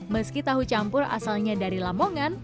meski tahu campur asalnya dari lamongan